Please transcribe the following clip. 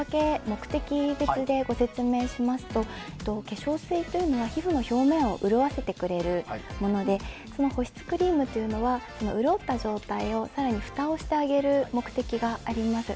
目的別でご説明しますと化粧水というのは皮膚の表面を潤わせてくれるもので保湿クリームというのはその潤った状態に更にふたをしてあげる目的があります。